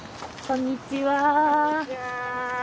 こんにちは。